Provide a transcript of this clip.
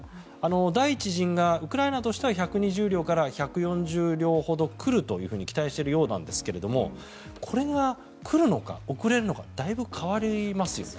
第１陣がウクライナとしては１２０両から１４０両ほど来るというふうに期待しているようですがこれが来るのか、遅れるのかだいぶ変わりますよね。